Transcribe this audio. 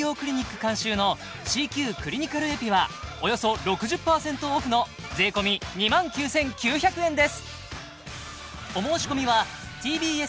監修のＣＱクリニカルエピはおよそ６０％オフの税込２万９９００円です